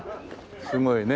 すごいね。